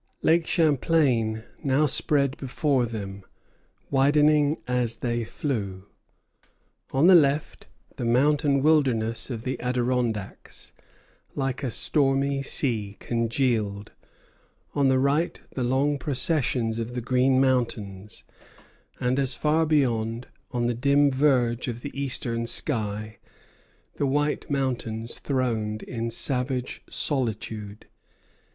Lake Champlain now spread before them, widening as they flew: on the left, the mountain wilderness of the Adirondacks, like a stormy sea congealed; on the right, the long procession of the Green Mountains; and, far beyond, on the dim verge of the eastern sky, the White Mountains throned in savage solitude.